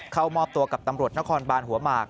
เข้ามอบตัวกับตำรวจนครบานหัวหมาก